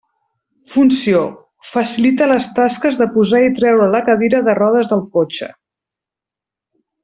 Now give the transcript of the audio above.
Funció: facilita les tasques de posar i treure la cadira de rodes del cotxe.